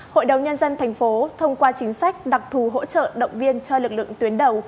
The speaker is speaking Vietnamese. hội đồng nhân dân thành phố thông qua chính sách đặc thù hỗ trợ động viên cho lực lượng tuyến đầu